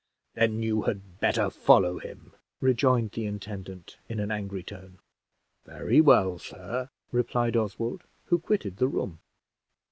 "Then you had better follow him," rejoined the intendant, in an angry tone. "Very well, sir," replied Oswald, who quitted the room.